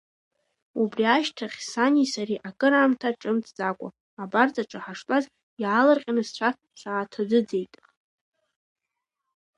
Убри ашьҭахь сани сареи акыраамҭа ҿымҭӡакәа, абарҵаҿы ҳаштәаз, иаалырҟьаны сцәа сааҭаӡыӡеит.